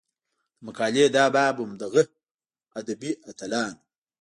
د مقالې دا باب هم دغه ادبي اتلانو